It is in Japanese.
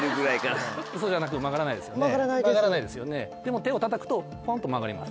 手をたたくとポンと曲がります。